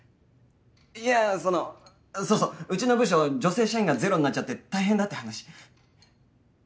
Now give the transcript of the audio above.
いやそのそうそううちの部署女性社員がゼロになっちゃって大変だって話。